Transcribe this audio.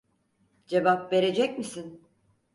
Cevap verecek misin?